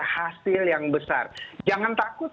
hasil yang besar jangan takut